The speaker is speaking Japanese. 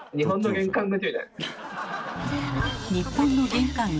日本の玄関口